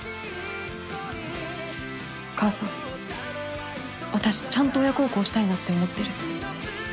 お母さん私ちゃんと親孝行したいなって思ってる。